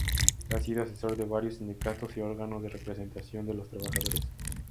Ha sido asesor de varios sindicatos y órganos de representación de los trabajadores.